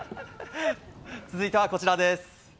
続いてはこちらです。